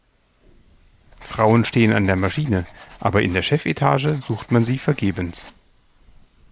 Frauen stehen an der Maschine, aber in der Chefetage sucht man sie vergebens.